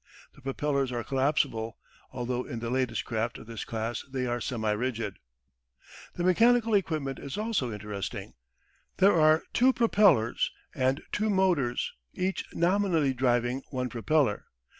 The propellers are collapsible, although in the latest craft of this class they are semi rigid. The mechanical equipment is also interesting. There are two propellers, and two motors, each nominally driving one propeller.